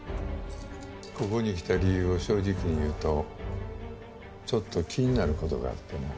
ここに来た理由を正直に言うとちょっと気になる事があってな。